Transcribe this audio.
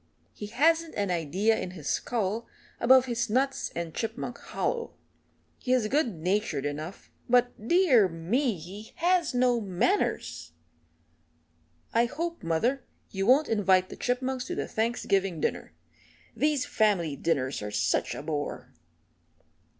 He hasn't an idea in his skull above his nuts and Chipmunk Hollow. He is good natured enough, but, dear me, he has no manners! I hope, mother, you won't invite the Chipmunks to the Thanksgiving dinner these family dinners are such a bore."